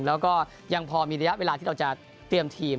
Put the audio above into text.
แล้วก็ยังพอมีระยะเวลาที่เราจะเตรียมทีม